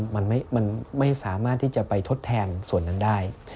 มันไม่สามารถที่จะไปทดแทนส่วนนั้นได้